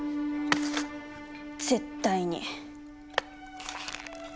絶対に！